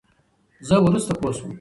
زه ورورسته پوشوم.